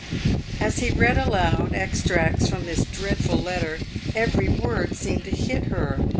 As he read aloud extracts from this dreadful letter, every word seemed to hit her.